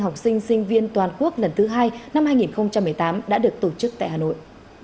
học sinh sinh viên toàn quốc lần thứ hai năm hai nghìn một mươi tám đã được tổ chức tại hà nội